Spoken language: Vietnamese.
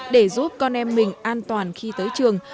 để giúp con em mình an toàn khi tới trường